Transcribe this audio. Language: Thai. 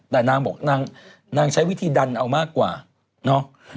แต่นางบอกนางใช้วิธีดันเอามากกว่าเนาะ